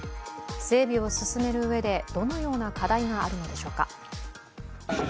整備を進めるうえでどのような課題があるのでしょうか。